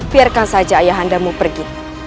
biarkan saja ayah anda mau pergi